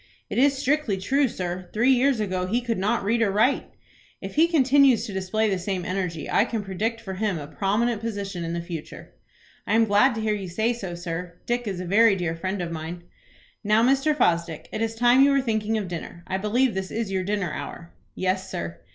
"It is strictly true, sir. Three years ago he could not read or write." "If he continues to display the same energy, I can predict for him a prominent position in the future." "I am glad to hear you say so, sir. Dick is a very dear friend of mine." "Now, Mr. Fosdick, it is time you were thinking of dinner. I believe this is your dinner hour?" "Yes, sir."